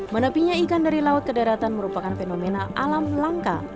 menepinya ikan dari laut ke daratan merupakan fenomena alam langka